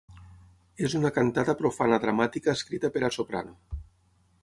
És una cantata profana dramàtica escrita per a soprano.